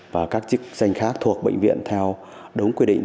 và các chức danh khác thuộc bệnh viện theo đúng quy định